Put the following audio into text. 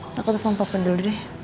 eh aku belum telfon papa lagi